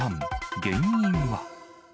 原因は？